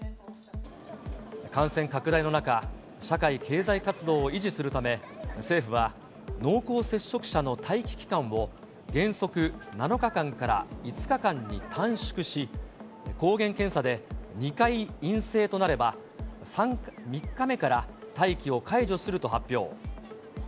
感染拡大の中、社会経済活動を維持するため、政府は、濃厚接触者の待機期間を、原則７日間から５日間に短縮し、抗原検査で２回陰性となれば、３日目から待機を解除すると発表。